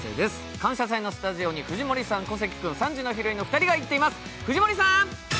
「感謝祭」のスタジオに藤森さん、小関君、３時のヒロインの２人が行っています。